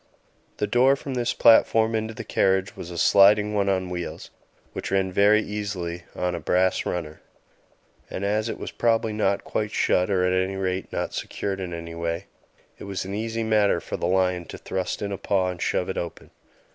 The door from this platform into the carriage was a sliding one on wheels, which ran very easily on a brass runner; and as it was probably not quite shut, or at any rate not secured in any way, it was an easy matter for the lion to thrust in a paw and shove it open.